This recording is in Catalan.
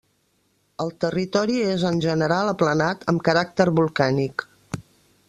El territori és en general aplanat amb caràcter volcànic.